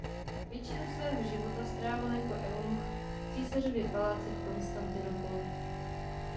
Většinu svého života strávil jako eunuch v císařově paláci v Konstantinopoli.